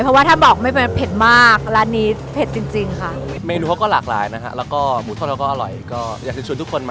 เพราะว่าถ้าบอกไม่เป็นผิดมากร้านนี้